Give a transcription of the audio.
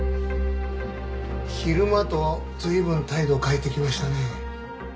昼間とは随分態度を変えてきましたね。